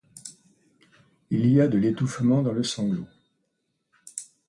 Il y a de l’étouffement dans le sanglot.